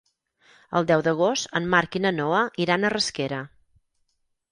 El deu d'agost en Marc i na Noa iran a Rasquera.